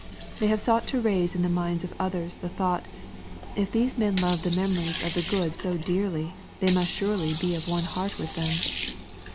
They have sought to raise in the minds of others the thought, '^ If these men love the memories of the good so dearly they must surely be of one heart with them."